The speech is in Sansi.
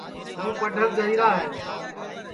ہوں پڈھر جائیرا ہے